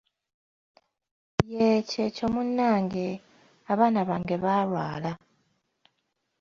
Yee kyekyo munnange, abaana bange baalwala!